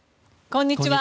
こんにちは。